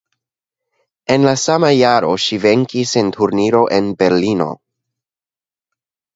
En la sama jaro ŝi venkis en turniro en Berlino.